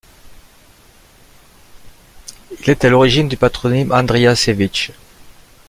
Il est à l'origine du patronyme Andrijašević.